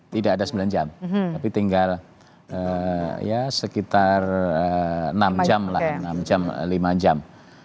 tidak ada sembilan jam tapi tinggal ya sekitar enam jam lah enam jam lima jam